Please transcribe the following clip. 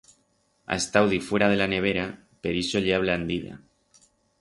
Ha estau difuera de la nevera per ixo ye ablandida.